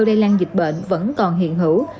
đây lan dịch bệnh vẫn còn hiện hữu